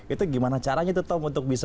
itu gimana caranya tuh tom untuk bisa